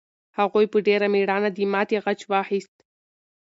هغوی په ډېر مېړانه د ماتې غچ واخیست.